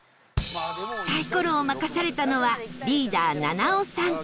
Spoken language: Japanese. サイコロを任されたのはリーダー菜々緒さん